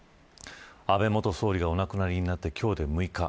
安倍元総理がお亡くなりになって今日で６日。